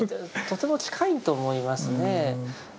とても近いと思いますね。